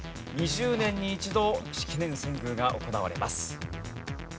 ２０年に１度式年遷宮が行われます。